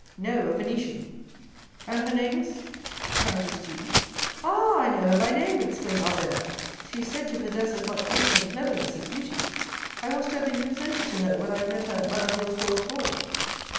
"No; a Venetian." "And her name is——" "Countess G——." "Ah, I know her by name!" exclaimed Albert; "she is said to possess as much wit and cleverness as beauty. I was to have been presented to her when I met her at Madame Villefort's ball."